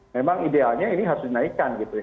memang idealnya ini harus dinaikkan gitu ya